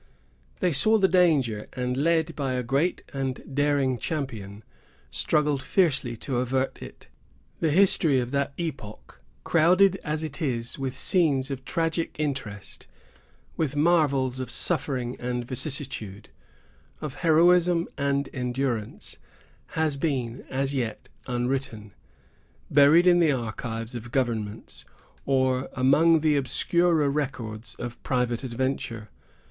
They saw the danger, and, led by a great and daring champion, struggled fiercely to avert it. The history of that epoch, crowded as it is with scenes of tragic interest, with marvels of suffering and vicissitude, of heroism and endurance, has been, as yet, unwritten, buried in the archives of governments, or among the obscurer records of private adventure.